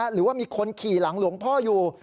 หรือว่ามีคนขี่หลังหลวงพ่ออยู่